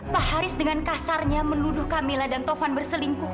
pak haris dengan kasarnya meluduh camilla dan tovan berdua untuk menangkapnya